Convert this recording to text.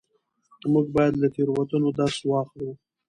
موږ باید له تېروتنو درس واخلو.